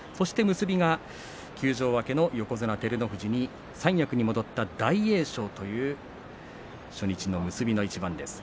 結びは休場明けの横綱照ノ富士に三役に戻った大栄翔という初日の結びの一番です。